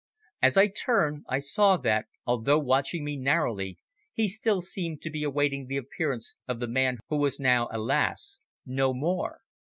As I turned, I saw that, although watching me narrowly, he still seemed to be awaiting the appearance of the man who was now, alas! no more.